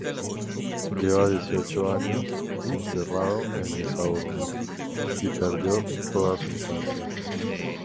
Llevaba dieciocho años encerrado en esa urna, y perdió toda su infancia.